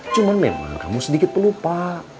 cuma memang kamu sedikit pelupa